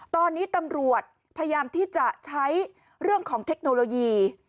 ตอนนี้ตำรวจพยายามที่จะใช้เรื่องของเทคโนโลยี